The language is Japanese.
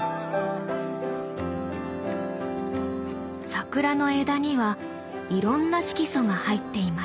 桜の枝にはいろんな色素が入っています。